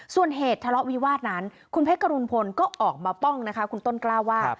ส่วนเหตุทะเลาะวิวาสนั้นคุณเพชรกรุณพลก็ออกมาป้องนะคะคุณต้นกล้าว่า